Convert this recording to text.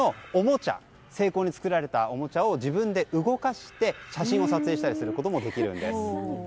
精巧に作られたおもちゃを自分で動かして写真を撮影することもできるんです。